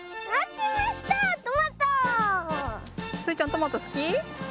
トマトすき？